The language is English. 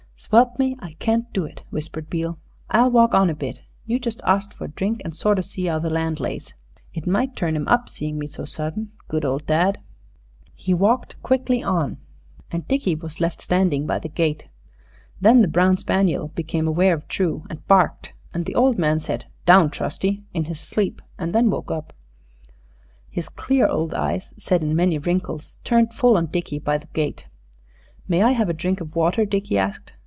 "Swelp me, I can't do it!" whispered Beale. "I'll walk on a bit. You just arst for a drink, and sort of see 'ow the land lays. It might turn 'im up seeing me so sudden. Good old dad!" He walked quickly on, and Dickie was left standing by the gate. Then the brown spaniel became aware of True, and barked, and the old man said, "Down, Trusty!" in his sleep, and then woke up. His clear old eyes set in many wrinkles turned full on Dickie by the gate. "May I have a drink of water?" Dickie asked.